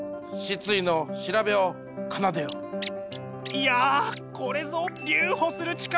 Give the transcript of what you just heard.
いやこれぞ留保する力！